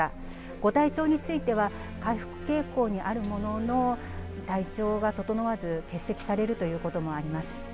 ご体調については、回復傾向にあるものの、体調が整わず、欠席されるということもあります。